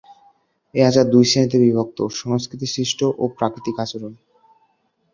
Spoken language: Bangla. এ আচার দুই শ্রেণীতে বিভক্ত: সংস্কৃতি-সৃষ্ট ও প্রাকৃতিক আচরণ।